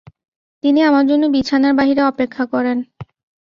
তিনি আমার জন্য বিছানার বাহিরে অপেক্ষা করেন।